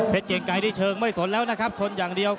เก่งไก่นี่เชิงไม่สนแล้วนะครับชนอย่างเดียว